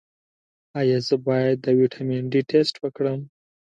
ایا زه باید د ویټامین ډي ټسټ وکړم؟